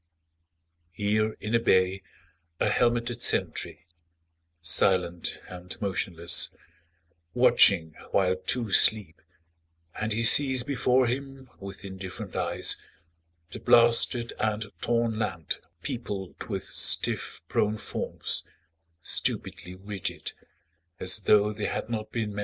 Here in a bay, a helmeted sentry Silent and motionless, watching while two sleep, And he sees before him With indifferent eyes the blasted and torn land Peopled with stiff prone forms, stupidly rigid, As tho' they had not been men.